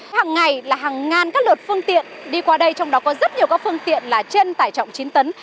hàng ngày là hàng ngàn các lượt phương tiện đi qua đây trong đó có rất nhiều các phương tiện là trên tải trọng chín tấn